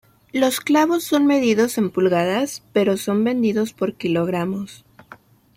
Los clavos son medidos en pulgadas pero son vendidos por kilogramos.